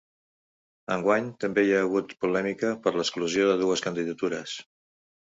Enguany, també hi ha hagut polèmica per l’exclusió de dues candidatures.